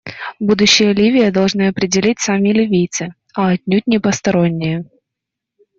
Будущее Ливии должны определить сами ливийцы, а отнюдь не посторонние.